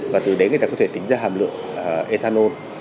và từ đấy người ta có thể tính ra hàm lượng ethanol